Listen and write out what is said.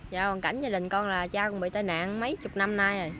trong hoàn cảnh gia đình con cha con bị tai nạn mấy chục năm